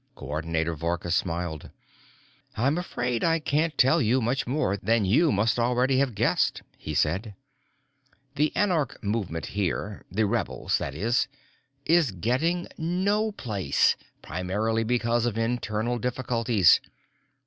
Coordinator Vorka smiled. "I'm afraid I can't tell you much more than you must already have guessed," he said. "The anarch movement here the rebels, that is is getting no place, primarily because of internal difficulties.